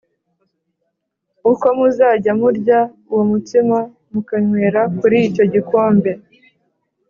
uko muzajya murya uwo mutsima mukanywera kuri icyo gikombe,